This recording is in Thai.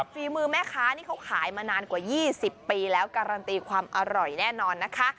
ฝีมือแม่ค้านี่เขาขายมานานกว่า๒๐ปีแล้วการันตีความอร่อยแน่นอนนะคะ